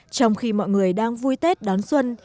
trong khi mọi người đang vui tết đón xuân